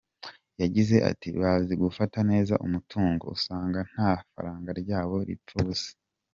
Yagize ati “Bazi gufata neza umutungo, usanga nta faranga ryabo ripfa ubusa.